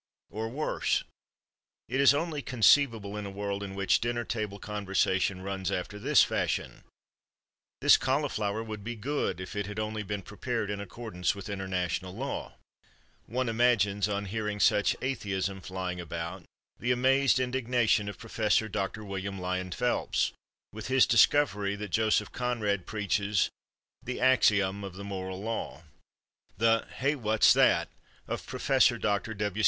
Or, worse: "It is only conceivable in a world in which dinner table conversation runs after this fashion: 'This cauliflower would be good if it had only been prepared in accordance with international law.'" One imagines, on hearing such atheism flying about, the amazed indignation of Prof. Dr. William Lyon Phelps, with his discovery that Joseph Conrad preaches "the axiom of the moral law"; the "Hey, what's that!" of Prof. Dr.